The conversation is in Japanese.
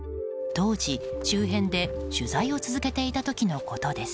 当時、周辺で取材を続けていた時のことです。